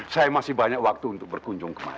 saya masih banyak waktu untuk berkunjung ke mana